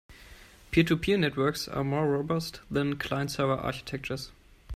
Peer-to-peer networks are more robust than client-server architectures.